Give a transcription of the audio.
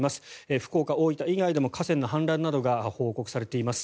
福岡、大分以外でも河川の氾濫などが報告されています。